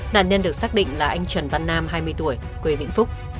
nạn nhân được xác định là anh trần văn nam hai mươi tuổi quê vĩnh phúc